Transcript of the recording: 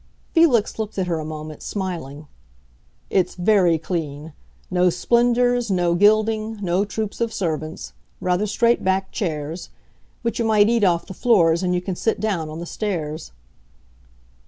Felix looked at her a moment, smiling. "It's very clean! No splendors, no gilding, no troops of servants; rather straight backed chairs. But you might eat off the floors, and you can sit down on the stairs."